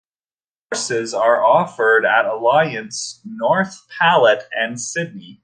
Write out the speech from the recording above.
Courses also are offered at Alliance, North Platte and Sidney.